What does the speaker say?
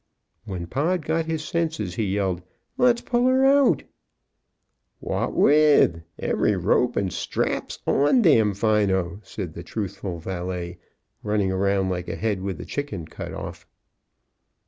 When Pod got his senses he yelled, "Let's pull her out!" "What with? Every rope and strap's on Damfino," said the truthful valet, running around like a head with the chicken cut off.